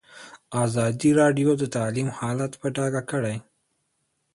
ازادي راډیو د تعلیم حالت په ډاګه کړی.